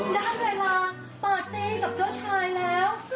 ด้านเวลาปาร์ตี้กับเจ้าชายแล้ว